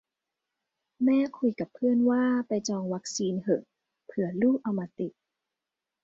แม่คุยกับเพื่อนว่าไปจองวัคซีนเหอะ เผื่อลูกเอามาติด